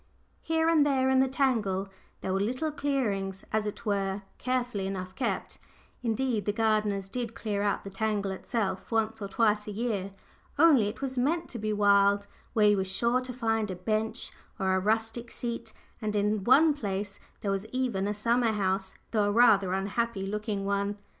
Here and there in the tangle there were little clearings, as it were, carefully enough kept indeed, the gardeners did clear out the tangle itself once or twice a year, only it was meant to be wild where you were sure to find a bench, or a rustic seat, and in one place there was even a summer house, though a rather unhappy looking one.